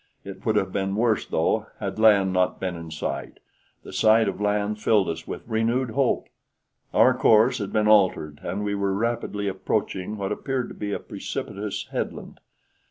It would have been worse, though, had land not been in sight. The sight of land filled us with renewed hope. Our course had been altered, and we were rapidly approaching what appeared to be a precipitous headland.